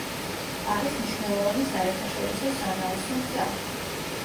არის მნიშვნელოვანი საერთაშორისო სანაოსნო გზა.